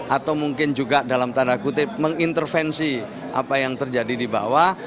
atau mungkin juga dalam tanda kutip mengintervensi apa yang terjadi di bawah